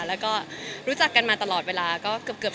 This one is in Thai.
แล้วก็รู้จักกันมาตลอดเวลาก็เกือบ